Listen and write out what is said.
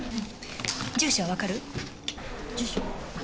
住所はわかる？住所！